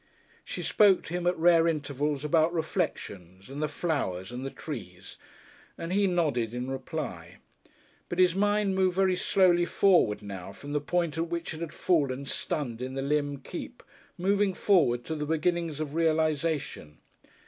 She spoke to him at rare intervals about reflections and the flowers and the trees, and he nodded in reply. But his mind moved very slowly forward now from the point at which it had fallen stunned in the Lympne Keep, moving forward to the beginnings of realisation.